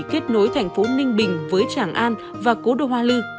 kết nối thành phố ninh bình với tràng an và cố đô hoa lư